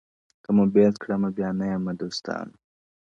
که مو بېل کړمه بیا نه یمه دوستانو.!